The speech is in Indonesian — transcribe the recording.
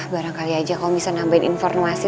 barangkali aja kalau bisa nambahin informasi